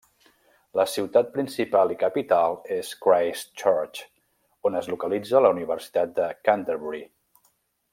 La ciutat principal i capital és Christchurch, on es localitza la Universitat de Canterbury.